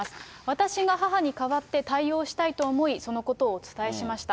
私が母に代わって対応したいと思い、そのことをお伝えしました。